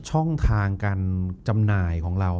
ช่องทางการจำหน่ายของเรา